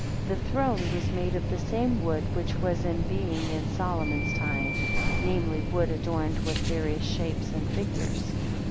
16 The throne was made of the same wood which was in being in Solomon's time, namely, wood adorned with various shapes, and figures.